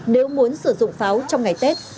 nếu muốn sử dụng pháo trong ngày tết